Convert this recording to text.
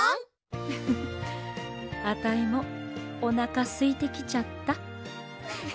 ウフフあたいもおなかすいてきちゃった。